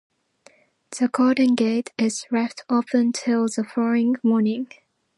The garden gate is left open till the following morning.